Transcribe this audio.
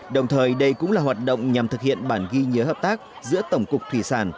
đồng thời đây cũng là hoạt động nhằm thực hiện bản ghi nhớ hợp tác giữa tổng cục thủy sản